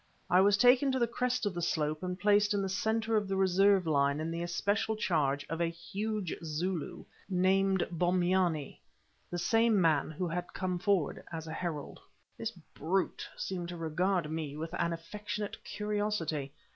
I was taken to the crest of the slope and placed in the centre of the reserve line in the especial charge of a huge Zulu named Bombyane, the same man who had come forward as a herald. This brute seemed to regard me with an affectionate curiosity.